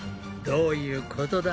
どういうことだ？